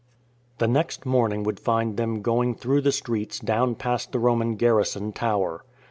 The next morning would find them going through the streets down past the Roman garrison tower.